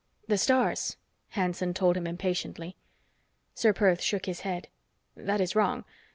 "The stars," Hanson told him impatiently. Ser Perth shook his head. "That is wrong.